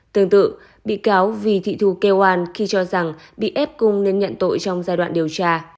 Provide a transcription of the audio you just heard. tương tự bị cáo vì thị thu kêu an khi cho rằng bị ép cung nên nhận tội trong giai đoạn điều tra